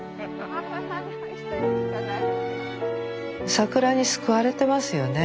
桜に救われてますよね。